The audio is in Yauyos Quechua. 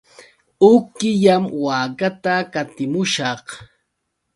Huk killam waakata qatimushaq.